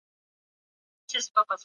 د فیل د پښو نښې پر ځمکه پاتې وې.